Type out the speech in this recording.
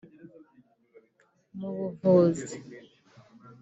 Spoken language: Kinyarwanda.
mu buvuzi